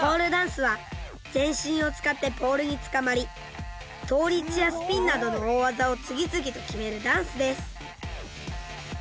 ポールダンスは全身を使ってポールにつかまり倒立やスピンなどの大技を次々と決めるダンスです。